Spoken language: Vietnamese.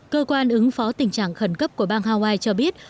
cơ quan ứng phó tình trạng khẩn cấp của bang hawaii cho biết